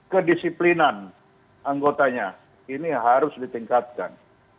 kedisiplinan anggotanya ini harus ditingkatkan